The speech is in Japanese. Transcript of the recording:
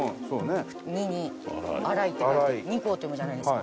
「二」に「荒い」って書いて「にこう」って読むじゃないですか。